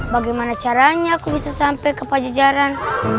bagaimana caranya aku bisa sampai ke pajajaran